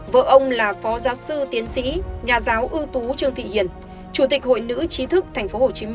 vợ ông là phó giáo sư tiến sĩ nhà giáo ưu tú trương thị hiền chủ tịch hội nữ chí thức tp hcm